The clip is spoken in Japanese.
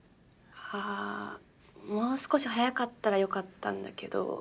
あもう少し早かったらよかったんだけど。